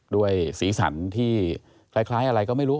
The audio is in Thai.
สีสันที่คล้ายอะไรก็ไม่รู้